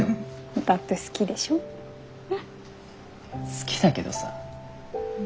好きだけどさ。